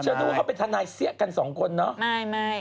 ดูว่าเขาเป็นทนายเสี้ยกันสองคนเนาะ